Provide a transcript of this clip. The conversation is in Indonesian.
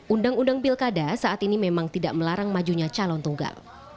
undang undang pilkada saat ini memang tidak melarang majunya calon tunggal